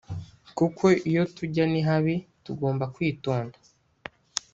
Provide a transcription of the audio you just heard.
kuko iyo tujya ni habi tugomba kwitonda